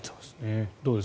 どうです？